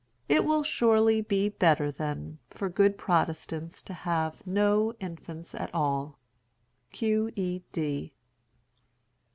It will surely be better, then, for good Protestants to have no infants at all: Q. E. D.